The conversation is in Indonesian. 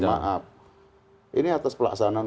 maaf ini atas pelaksanaan